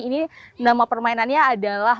ini nama permainannya adalah